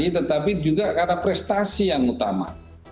tetapi juga karena prestasi yang utama